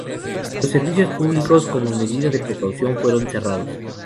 Los servicios públicos, como medida de precaución, fueron cerrados.